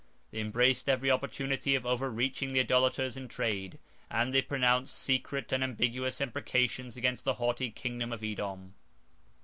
They embraced every opportunity of overreaching the idolaters in trade; and they pronounced secret and ambiguous imprecations against the haughty kingdom of Edom.